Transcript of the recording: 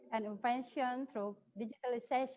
dan berkembang melalui digitalisasi